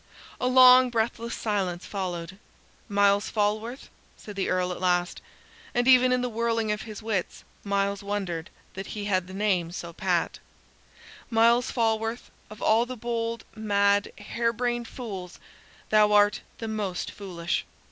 A long breathless silence followed. "Myles Falworth," said the Earl at last (and even in the whirling of his wits Myles wondered that he had the name so pat) "Myles Falworth, of all the bold, mad, hare brained fools, thou art the most foolish.